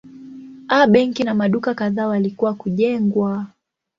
A benki na maduka kadhaa walikuwa kujengwa.